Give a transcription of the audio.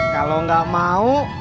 kalau nggak mau